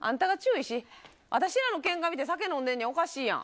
私らのけんか見て酒飲んでるの、おかしいやん。